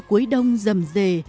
cuối đông rầm rề